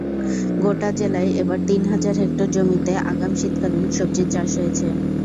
গোটা জেলায় এবার তিন হাজার হেক্টর জমিতে আগাম শীতকালীন সবজির চাষ হয়েছে।